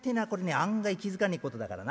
案外気付かねえことだからな。